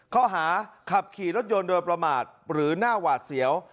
ข้อหาขับขี่รถยนต์โดยประมาทหรือหน้าหวาดเสียว